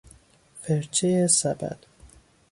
فرچه سبد